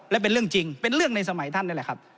และเป็นเรื่องจริงเป็นเรื่องในสมัยท่านนี่แหละครับ